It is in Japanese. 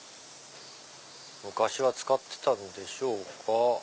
昔は使ってたんでしょうか？